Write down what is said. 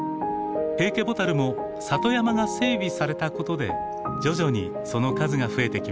ヘイケボタルも里山が整備されたことで徐々にその数が増えてきました。